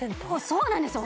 そうなんですよ